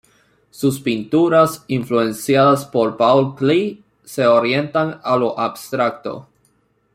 Sus pinturas, influenciadas por Paul Klee se orientan a lo abstracto.